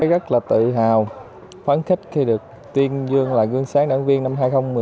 tôi rất là tự hào phán khích khi được tuyên dương là gương sáng đảng viên năm hai nghìn một mươi bảy